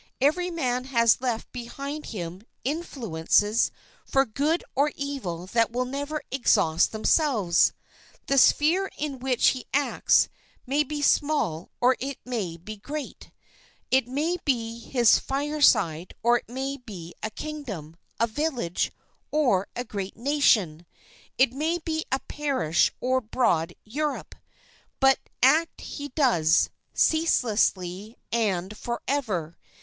Every man has left behind him influences for good or evil that will never exhaust themselves. The sphere in which he acts may be small or it may be great, it may be his fireside or it may be a kingdom, a village or a great nation, it may be a parish or broad Europe—but act he does, ceaselessly and forever.